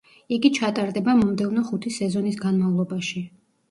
იგი ჩატარდება მომდევნო ხუთი სეზონის განმავლობაში.